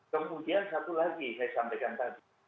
kemudian satu lagi saya sampaikan tadi